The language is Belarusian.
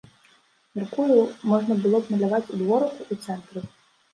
Мяркую, можна было б маляваць у дворыку, у цэнтры.